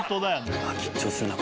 うわ緊張するな。